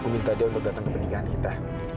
aku minta dia untuk datang ke pernikahan kita